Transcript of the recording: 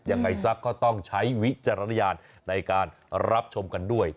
ยังไงซะก็ต้องใช้วิจารณญาณในการรับชมกันด้วย